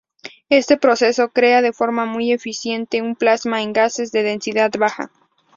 Este proceso crea de forma muy eficiente un plasma en gases de densidad baja.